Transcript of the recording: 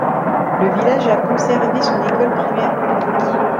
Le village a conservé son école primaire publique.